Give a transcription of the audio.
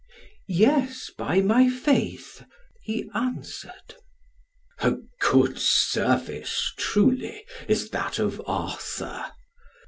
"Yes, by my faith," he answered. "A good service, truly, is that of Arthur."